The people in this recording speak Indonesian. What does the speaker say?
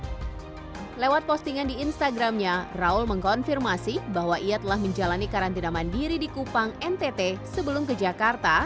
sesuai dengan kethis re zijak sawat postingan di instagramnya raul mengkonfirmasi bahwa ia telah menjalani karantina mandiri di kupang ntt sebelum ke jakarta